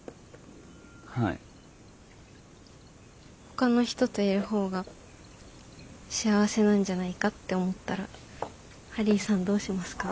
ほかの人といる方が幸せなんじゃないかって思ったらハリーさんどうしますか？